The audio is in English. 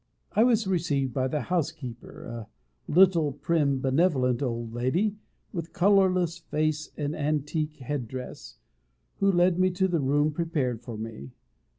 I was received by the housekeeper, a little, prim, benevolent old lady, with colourless face and antique head dress, who led me to the room prepared for me.